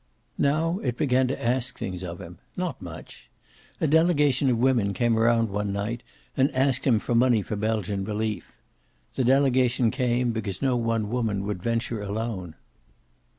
Now it began to ask things of him. Not much. A delegation of women came around one night and asked him for money for Belgian Relief. The delegation came, because no one woman would venture alone.